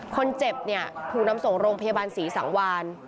คนเจ็บเนี่ยถูกนำส่งโรงพยาบาลศรีสังวาน